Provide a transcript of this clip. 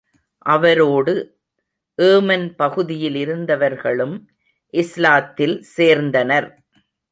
அவரோடு ஏமன் பகுதியிலிருந்தவர்களும் இஸ்லாத்தில் சேர்ந்தனர்.